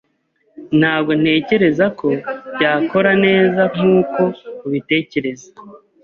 Ntabwo ntekereza ko byakora neza nkuko ubitekereza.